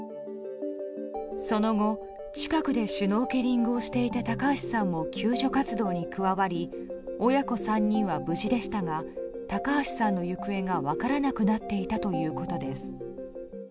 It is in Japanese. その後、近くでシュノーケリングをしていた高橋さんも救助活動に加わり親子３人は無事でしたが高橋さんの行方が分からなくなっていたということです。